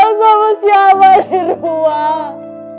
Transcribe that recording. lo sama siapa di rumah